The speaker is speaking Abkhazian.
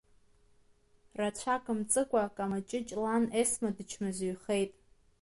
Рацәак мҵыкәа, Камаҷыҷ лан Есма дычмазаҩхеит…